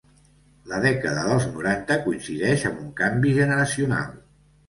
La dècada dels noranta coincideix amb un canvi generacional.